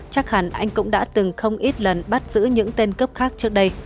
chắc hẳn anh cũng đã từng không ít lần bắt giữ những tên cướp khác trước đây